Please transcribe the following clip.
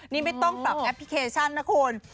นี่ไม่ต้องปรับแอปพลิเคชันนะคุณ